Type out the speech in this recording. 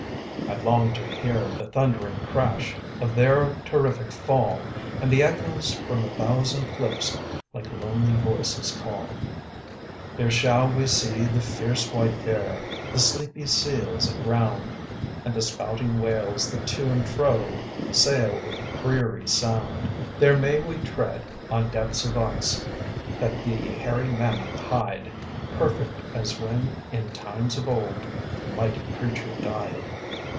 I long to hear the thundering crash Of their terrific fall, And the echoes from a thousand cliffs Like lonely voices call. There shall we see the fierce white bear, The sleepy seals aground, And the spouting whales that to and fro Sail with a dreary sound. There may we tread on depths of ice, That the hairy mammoth hide; Perfect as when, in times of old, The mighty creature died.